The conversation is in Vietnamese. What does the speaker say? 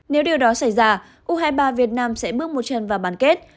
nếu điều đó xảy ra u hai mươi ba việt nam sẽ bước một chân vào bán kết